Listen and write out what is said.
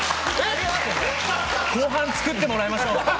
後半、作ってもらいましょう。